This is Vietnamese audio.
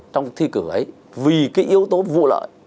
trong cái thi cử ấy vì cái yếu tố vụ lợi